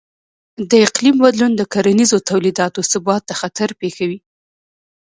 د اقلیم بدلون د کرنیزو تولیداتو ثبات ته خطر پېښوي.